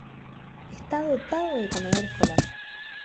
Está dotado de comedor escolar.